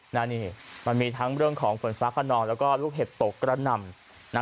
นี่มันมีทั้งเรื่องของฝนฟ้าค้านอนและลูกเห็บตกกระนำ